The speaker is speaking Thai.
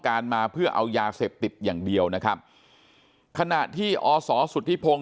การมาเพื่อเอายาเสพติดอย่างเดียวนะครับขณะที่อศสุธิพงศ์